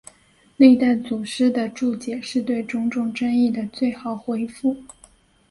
历代祖师的注解是对种种争议的最好回复。